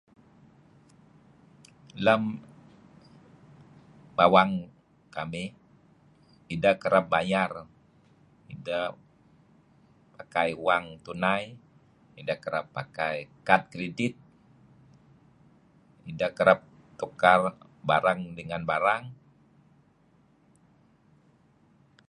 Lem bawang kamih ideh kereb bayar deh... pakai wang tunai, ideh kereb pakai kad kridit, ideh kereb tukar barang dengan barang...